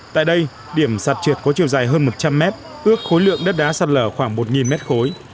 tại đây điểm sạt trượt có chiều dài hơn một trăm linh mét ước khối lượng đất đá sạt lở khoảng một mét khối